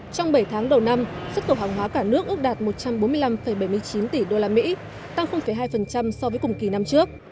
trong bảy tháng đầu năm xuất khẩu hàng hóa cả nước ước đạt một trăm bốn mươi năm bảy mươi chín tỷ usd tăng hai so với cùng kỳ năm trước